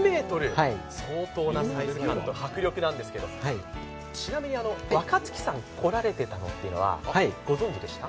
相当なサイズ感と迫力なんですけどちなみに若槻さんが来られていたというのはご存じでした？